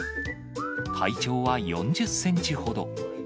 体長は４０センチほど。